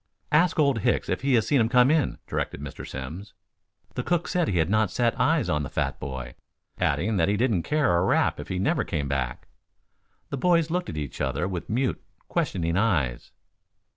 "Ask Old Hicks if he has seen him come in," directed Mr. Simms. The cook said he had not set eyes on the fat boy, adding that he didn't care a rap if he never came back. The boys looked at each other with mute, questioning eyes.